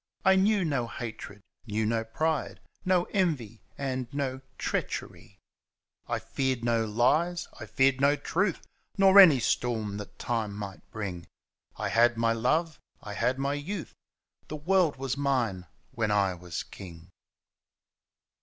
I knew no hoitred^ knew no pride^ No envy and no treachery, I feared no lies, I feared no truths Nor any storm thtU time might brtng. I had my love, I had my youths The world was mine when I was king.